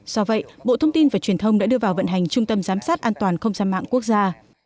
do vậy bộ thông tin và truyền thông đã đưa vào vận hành trung tâm giám sát an toàn không gian mạng quốc gia